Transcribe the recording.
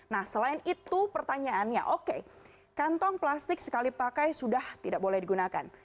nah selain itu pertanyaannya oke kantong plastik sekali pakai sudah tidak boleh digunakan